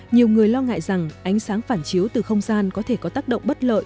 nhiều người lo ngại rằng ánh sáng phản chiếu từ không gian có thể có tác động bất lợi